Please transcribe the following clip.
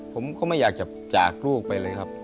ผมก็ไม่อยากจะจากลูกไปเลยครับ